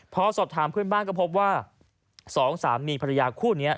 พอสอบถามเพื่อนบ้านก็พบว่า๒๓มีนภรรยาคู่เนี่ย